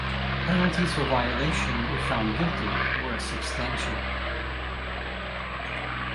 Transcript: Penalties for violation, if found guilty, were substantial.